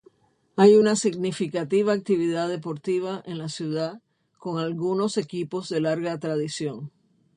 Hay una significativa actividad deportiva en la ciudad, con algunos equipos de larga tradición.